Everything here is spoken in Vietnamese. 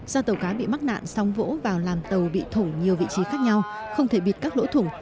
do tàu cá bị mắc nạn sóng vỗ vào làm tàu bị thủng nhiều vị trí khác nhau không thể bịt các lỗ thủng